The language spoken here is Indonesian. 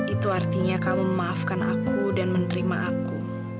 itu artinya kamu memaafkan aku dan menerima aku